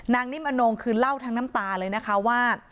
นิ่มอนงคือเล่าทั้งน้ำตาเลยนะคะว่า